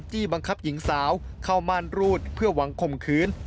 บังคับหญิงสาวเข้าม่านรูดเพื่อหวังข่มขืน